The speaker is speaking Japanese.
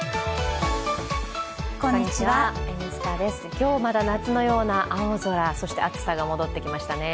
今日まだ夏のような青空、そして暑さが戻ってきましたね。